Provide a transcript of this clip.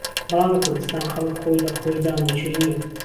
بهڵام له کوردستان خهڵک خۆی له خۆیدا مووچهی نییه